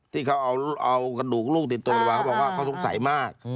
ที่เขาเอากระดูกลูกติดตัวลงมาเขาบอกว่าเขาสงสัยมาก